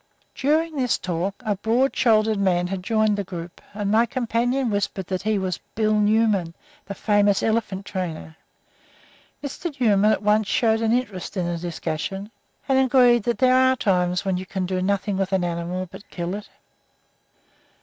During this talk a broad shouldered man had joined the group, and my companion whispered that he was "Bill" Newman, the famous elephant trainer. Mr. Newman at once showed an interest in the discussion, and agreed that there are times when you can do nothing with an animal but kill it.